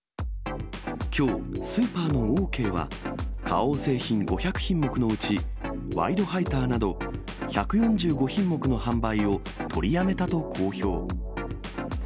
きょう、スーパーのオーケーは、花王製品５００品目のうち、ワイドハイターなど１４５品目の販売を取りやめたと公表。